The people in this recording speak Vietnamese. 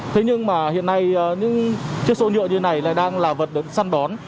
thế nhưng mà hiện nay những chiếc xô nhựa như này lại đang là vật đứng săn đón